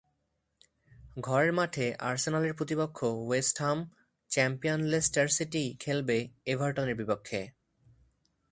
ঘরের মাঠে আর্সেনালের প্রতিপক্ষ West Ham, champion Leicester City খেলবে এভারটনের বিপক্ষে।